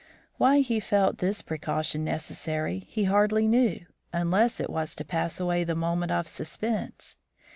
Why he felt this precaution necessary he hardly knew, unless it was to pass away the moment of suspense.